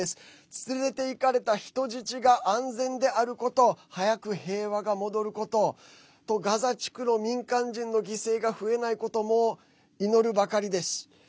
連れて行かれた人質が安全であること早く平和が戻ることとガザ地区の民間人の犠牲が増えないことも祈るばかりです。